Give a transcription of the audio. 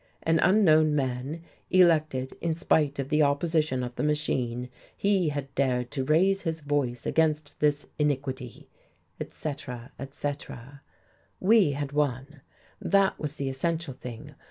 "An unknown man, elected in spite of the opposition of the machine, he had dared to raise his voice against this iniquity," etc., etc. We had won. That was the essential thing.